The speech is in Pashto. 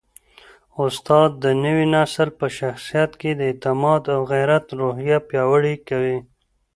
استاد د نوي نسل په شخصیت کي د اعتماد او غیرت روحیه پیاوړې کوي.